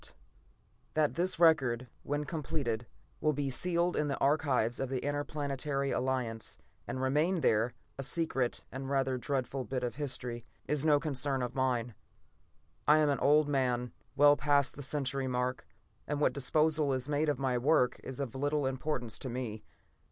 ] That this record, when completed, will be sealed in the archives of the Interplanetary Alliance and remain there, a secret and rather dreadful bit of history, is no concern of mine. I am an old man, well past the century mark, and what disposal is made of my work is of little importance to me.